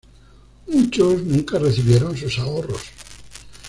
Muchos nunca recibieron sus ahorros.